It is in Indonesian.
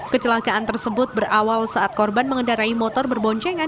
kecelakaan tersebut berawal saat korban mengendarai motor berboncengan